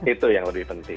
itu yang lebih penting